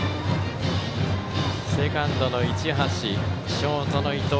セカンドの市橋ショートの伊藤